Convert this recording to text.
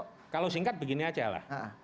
karena kalau singkat begini saja lah